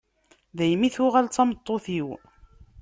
daymi i tuɣal d tameṭṭut-iw.